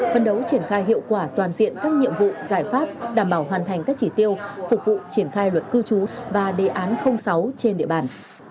phân đấu triển khai hiệu quả toàn diện các nhiệm vụ giải pháp đảm bảo hoàn thành các chỉ tiêu phục vụ triển khai luật cư trú và đề án sáu trên địa bàn